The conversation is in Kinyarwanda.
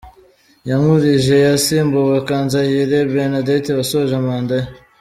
Yankurije yasimbuye Kanzayire Bernadette wasoje manda ye.